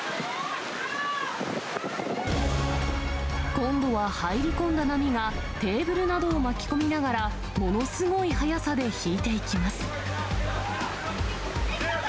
今度は入り込んだ波がテーブルなどを巻き込みながら、ものすごい速さで引いていきます。